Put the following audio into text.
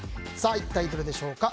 一体どれでしょうか。